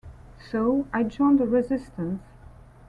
So, I joined the Resistance.